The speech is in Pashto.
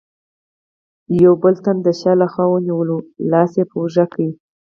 یوه بل تن د شا له خوا ونیولم، لاس یې په اوږه کې.